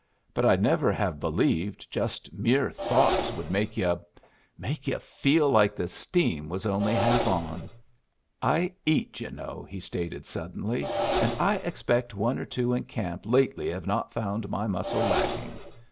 But I'd never have believed just mere thoughts could make yu' make yu' feel like the steam was only half on. I eat, yu' know!" he stated, suddenly. "And I expect one or two in camp lately have not found my muscle lacking.